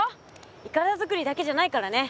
いかだ作りだけじゃないからね。